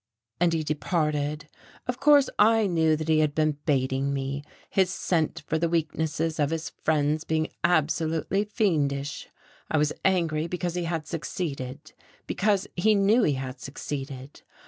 And he departed. Of course I knew that he had been baiting me, his scent for the weaknesses of his friends being absolutely fiendish. I was angry because he had succeeded, because he knew he had succeeded.